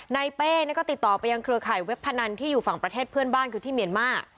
เป้ก็ติดต่อไปยังเครือข่ายเว็บพนันที่อยู่ฝั่งประเทศเพื่อนบ้านคือที่เมียนมาร์